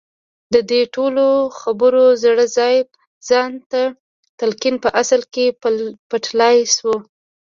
د دې ټولو خبرو زړی ځان ته د تلقين په اصل کې پلټلای شو.